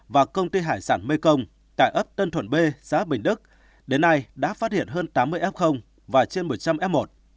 và công ty hải sản mekong tại ấp tân thuận b xã bình đức đến nay đã phát hiện hơn tám mươi f và trên một trăm linh f một